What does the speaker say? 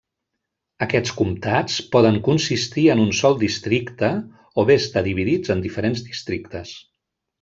Aquests comtats poden consistir en un sol districte o bé estar dividits en diferents districtes.